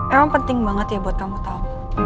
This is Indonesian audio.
emang penting banget ya buat kamu tahu